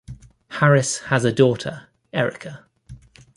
Harris has a daughter, Erika.